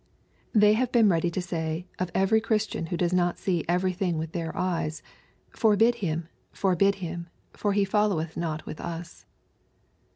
They have been ready to say of every Christian who does not see every thing with their eyes, "Forbid him 1 Forbid him 1 for he followeth not with us."